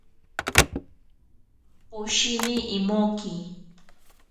Poshini imoki.